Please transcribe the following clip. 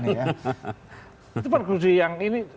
itu pergurusi yang ini